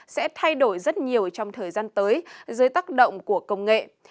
sẽ thay đổi rất nhiều trong thời gian tới dưới tác động của công nghệ